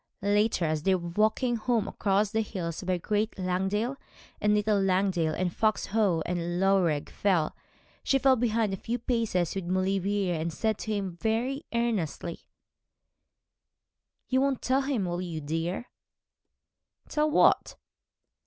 Later, as they were walking home across the hills, by Great Langdale and Little Langdale, and Fox Howe and Loughrigg Fell, she fell behind a few paces with Maulevrier, and said to him very earnestly 'You won't tell, will you, dear?' 'Tell what?'